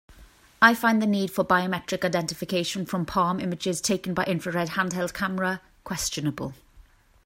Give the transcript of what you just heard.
I find the need for biometric identification from palm images taken by infrared handheld camera questionable.